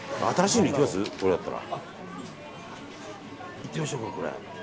いってみましょうか、これ。